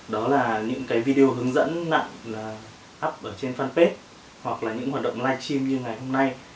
đó là những cái video hướng dẫn nặng là up ở trên fanpage hoặc là những hoạt động live stream như ngày hôm nay